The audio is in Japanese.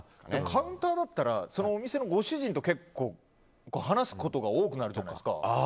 カウンターだったらそのお店のご主人とかと結構話すことが多くなるってことですか。